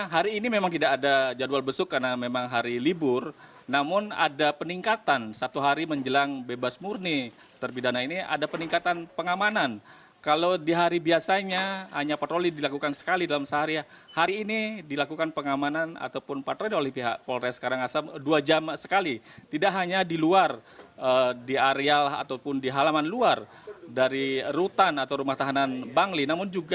ketika dikonsumsi dengan konsulat jenderal australia terkait dua rekannya dikonsumsi dengan konsulat jenderal australia